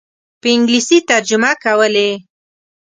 په انګلیسي ترجمه کولې.